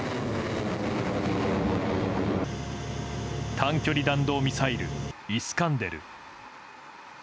短距離弾道ミサイルイスカンデル。